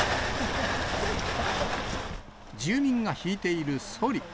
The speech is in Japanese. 住民が引いているそり。